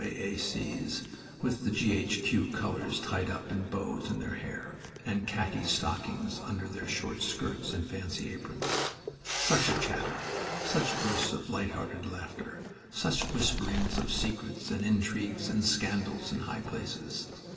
A. A. C.'s with the G. H. Q. colors tied up in bows on their hair, and khaki stockings under their short skirts and fancy aprons. Such a chatter! Such bursts of light hearted laughter! Such whisperings of secrets and intrigues and scandals in high places!